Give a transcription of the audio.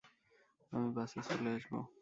আমি বাসে চলে আসব।